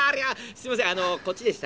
すいませんこっちでした」。